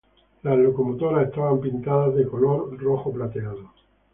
Las locomotoras estaban pintadas en colores rojo-plateados.